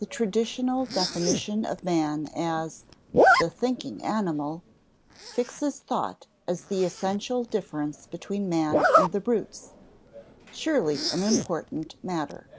The traditional definition of man as "the thinking animal" fixes thought as the essential difference between man and the brutes, surely an important matter.